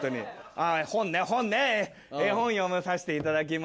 あぁ本ね本ね絵本読まさせていただきます。